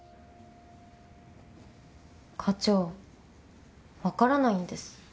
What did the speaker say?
課長わからないんです。